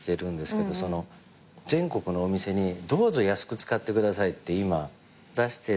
全国のお店にどうぞ安く使ってくださいって今出して。